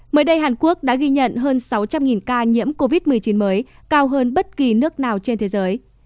mới đây hàn quốc đã ghi nhận hơn sáu trăm linh ca nhiễm covid một mươi chín mới cao hơn bất kỳ nước nào trên thế giới